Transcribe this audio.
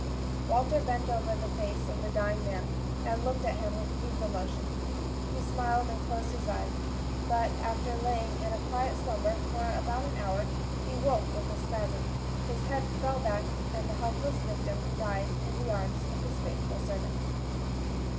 Walter bent over the face of the dying man, and looked at him with deep emotion. He smiled and closed his eyes; but after lying in a quiet slumber for about an hour, he awoke with a spasm; his head fell back, and the hapless victim died in the arms of his faithful servant.